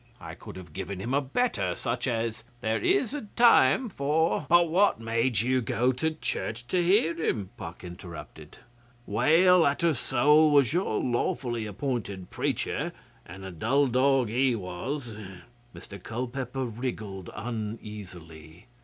I could have given him a better, such as: "There is a time for "' 'But what made you go to church to hear him?' Puck interrupted. 'Wail Attersole was your lawfully appointed preacher, and a dull dog he was!' Mr Culpeper wriggled uneasily.